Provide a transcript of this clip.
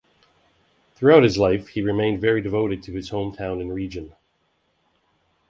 Throughout his life, he remained very devoted to his home town and region.